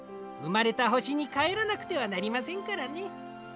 うまれた星にかえらなくてはなりませんからね。